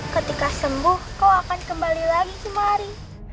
ketika sembuh kau akan kembali lagi kemari